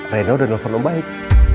rena udah nelfon om baik